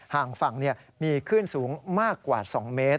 ห่างฝั่งมีคลื่นสูงมากกว่า๒เมตร